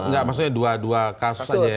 enggak maksudnya dua dua kasus saja ya